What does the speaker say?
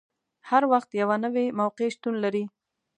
هر وخت یوه نوې موقع شتون لري.